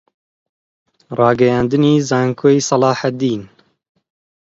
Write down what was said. ڕاگەیاندنی زانکۆی سەلاحەددین